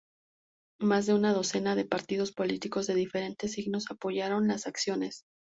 Más de una docena de partidos políticos de diferentes signos apoyaron las acciones.